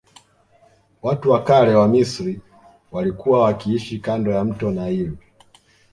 Watu wa kale wa misri walikua wakiishi kando ya mto naili